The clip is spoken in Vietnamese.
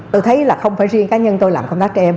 tôi thấy là không phải riêng cá nhân tôi làm công tác trẻ em